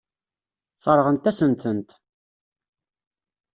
Sseṛɣent-asen-tent.